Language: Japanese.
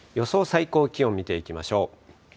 最高気温見ていきましょう。